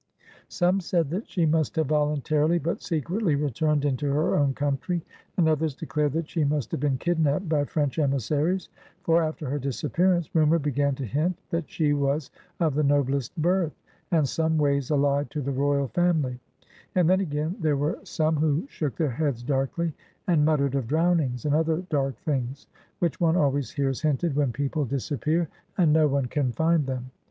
Some said that she must have voluntarily but secretly returned into her own country; and others declared that she must have been kidnapped by French emissaries; for, after her disappearance, rumor began to hint that she was of the noblest birth, and some ways allied to the royal family; and then, again, there were some who shook their heads darkly, and muttered of drownings, and other dark things; which one always hears hinted when people disappear, and no one can find them.